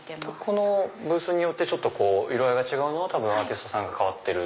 このブースによって色合いが違うのはアーティストさんが代わってる。